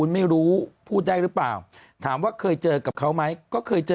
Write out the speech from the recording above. ไม่รู้พูดได้หรือเปล่าถามว่าเคยเจอกับเขาไหมก็เคยเจอ